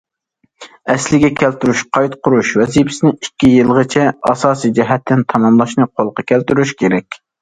ئەسلىگە كەلتۈرۈش، قايتا قۇرۇش ۋەزىپىسىنى ئىككى يىلغىچە ئاساسىي جەھەتتىن تاماملاشنى قولغا كەلتۈرۈش كېرەك.